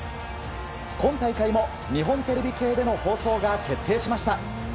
今大会も日本テレビ系での放送が決定しました。